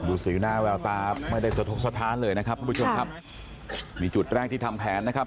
ดูสีหน้าแววตาไม่ได้สะท้องสะท้านเลยนะครับมีจุดแรกที่ทำแผนนะครับ